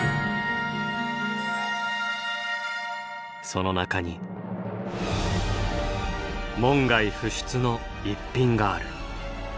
その中に門外不出の逸品がある。